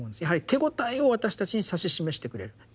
やはり手応えを私たちに指し示してくれる。